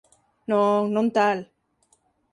Non, non tal.